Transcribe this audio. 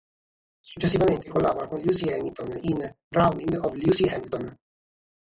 Successivamente collabora con Lucy Hamilton in "Drowning of Lucy Hamilton".